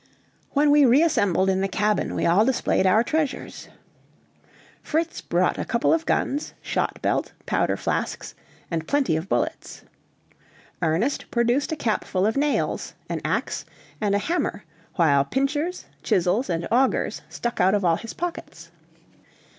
When we reassembled in the cabin, we all displayed our treasures. Fritz brought a couple of guns, shot belt, powder flasks, and plenty of bullets. Ernest produced a cap full of nails, an ax, and a hammer, while pincers, chisels, and augers stuck out of all his pockets.